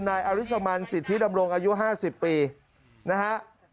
นายอริสมันสิทธิดำรงอายุ๕๐ปีนะฮะ